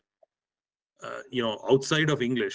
di luar bahasa inggris